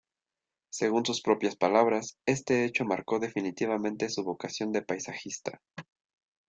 Según sus propias palabras, este hecho marcó definitivamente su vocación de paisajista.